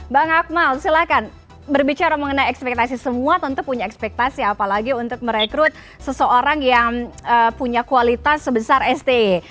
bang akmal silahkan berbicara mengenai ekspektasi semua tentu punya ekspektasi apalagi untuk merekrut seseorang yang punya kualitas sebesar sti